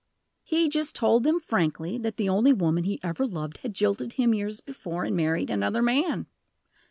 "He just told them frankly that the only woman he ever loved had jilted him years before, and married another man.